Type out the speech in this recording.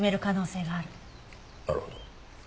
なるほど。